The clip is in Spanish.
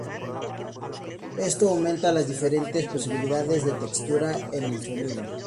Esto aumenta las diferentes posibilidades de texturas en el sonido.